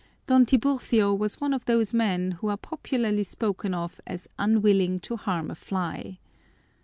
Don Tiburcio was one of those men who are popularly spoken of as unwilling to harm a fly.